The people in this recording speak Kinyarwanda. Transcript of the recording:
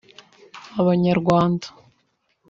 Abanyarwanda